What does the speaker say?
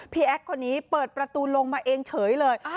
แอคคนนี้เปิดประตูลงมาเองเฉยเลย